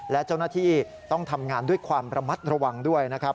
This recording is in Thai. และเจ้าหน้าที่ต้องทำงานด้วยความระมัดระวังด้วยนะครับ